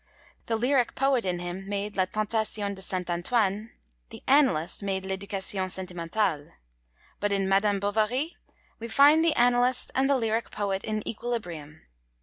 The lyric poet in him made La Tentation de Saint Antoine, the analyst made L'Education Sentimentale; but in Madame Bovary we find the analyst and the lyric poet in equilibrium.